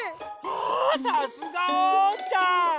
あさすがおうちゃん！